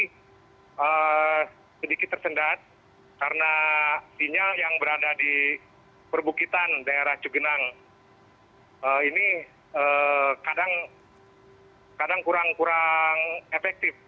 jadi ini adalah hal yang sedikit tersendat karena sinyal yang berada di perbukitan daerah cugenang ini kadang kurang efektif